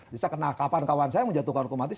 bisa kena kapan kawan saya menjatuhkan hukum mati